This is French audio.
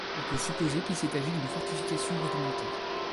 On peut supposer qu'il s'est agi d'une fortification rudimentaire.